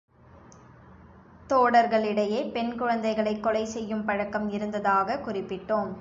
தோடர்களிடையே பெண் குழந்தைகளைக் கொலை செய்யும் பழக்கம் இருந்ததாகக் குறிப்பிட்டோம்.